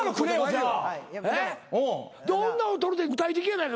女を取るって具体的やないかもう。